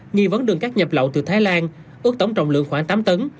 nghi vấn đường cát nhập lậu từ thái lan ước tổng trọng lượng khoảng tám tấn